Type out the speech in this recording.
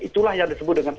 itulah yang disebut dengan